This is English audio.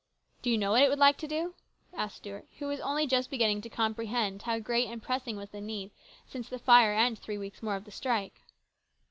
" Do you know what it would like to do ?" asked Stuart, who was only just beginning to comprehend how great and pressing was the need since the fire and three weeks more of the strike.